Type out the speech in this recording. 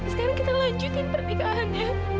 sekarang kita lanjutin pernikahannya